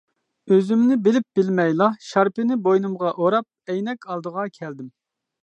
ئۆزۈمنى بىلىپ-بىلمەيلا شارپىنى بوينۇمغا ئوراپ ئەينەك ئالدىغا كەلدىم.